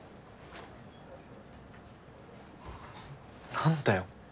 何だよ。